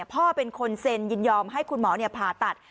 พ่อเป็นคนเซ็นยินยอมให้คุณหมอผ่าตัด